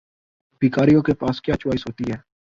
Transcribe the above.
بھکاریوں کے پاس کیا چوائس ہوتی ہے؟